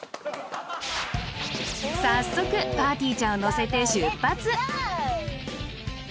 早速ぱーてぃーちゃんを乗せて出発